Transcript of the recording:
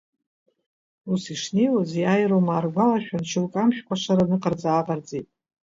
Ус ишнеиуаз, Иааирума ааргәалашәан, шьоукы амшә кәашара ныҟарҵа-ааҟарҵеит.